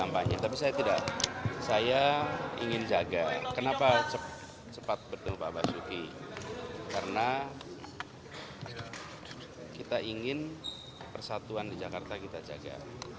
persatuan di jakarta kita jaga